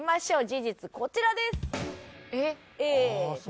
事実こちらです。